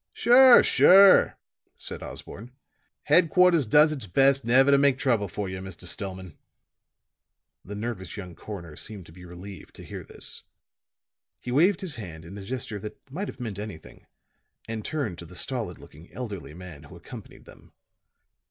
"Sure, sure," said Osborne. "Headquarters does its best never to make trouble for you, Mr. Stillman." The nervous young coroner seemed to be relieved to hear this. He waved his hand in a gesture that might have meant anything and turned to the stolid looking, elderly man who accompanied them.